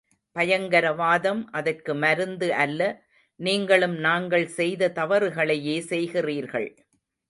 பயங்கரவாதம் அதற்கு மருந்து அல்ல நீங்களும் நாங்கள் செய்த தவறுகளையே செய்கிறீர்கள்.